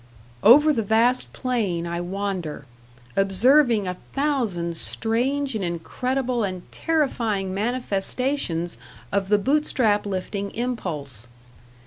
Over the vast plain I wander, observing a thousand strange and incredible and terrifying manifestations of the Bootstrap lifting impulse.